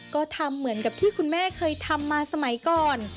ก็ทำเหมือนกับที่คุณแม่เคยทำมาสมัยก่อน